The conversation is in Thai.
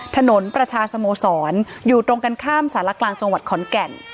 ถนนประชาสโมสรอยู่ตรงกันข้ามสารกลางจังหวัดขอนแก่น